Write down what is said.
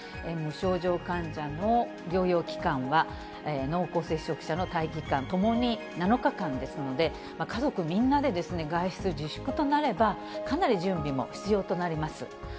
無症状患者の療養期間は、濃厚接触者の待機期間、ともに７日間ですので、家族みんなで外出自粛となれば、かなり準備も必要となります。